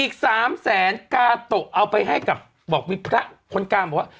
อีก๓แสนกาโตะเอาไปให้กับบอกมีพระคนกลางบอกว่า